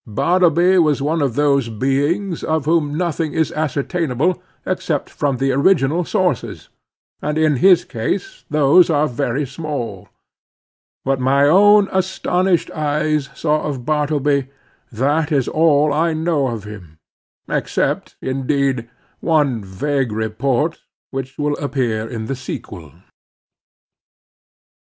Bartleby was one of those beings of whom nothing is ascertainable, except from the original sources, and in his case those are very small. What my own astonished eyes saw of Bartleby, that is all I know of him, except, indeed, one vague report which will appear in the sequel.